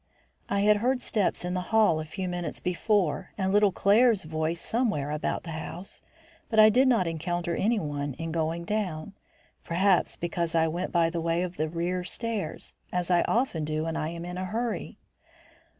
I had heard steps in the hall a few minutes before, and little Claire's voice somewhere about the house, but I did not encounter anyone in going down, perhaps because I went by the way of the rear stairs, as I often do when I am in a hurry.